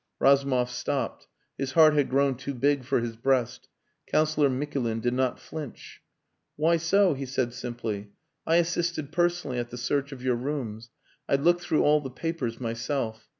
Razumov stopped. His heart had grown too big for his breast. Councillor Mikulin did not flinch. "Why so?" he said simply. "I assisted personally at the search of your rooms. I looked through all the papers myself.